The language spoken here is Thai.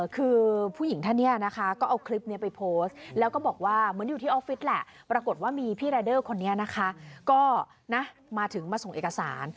คือผู้หญิงท่านเนี่ยนะคะก็เอาคลิปนี้ไปโพสต์แล้วก็บอกว่าเหมือนอยู่ที่ออฟฟิศแหละปรากฏว่ามีพี่รายเดอร์คนนี้นะคะก็นะมาถึงมาส่งเอกสาร